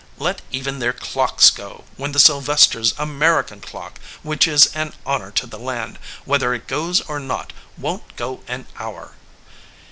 Let even their clocks go, when the Sylvesters American clock, which is an honor to the land, whether it goes or not, won t go an hour."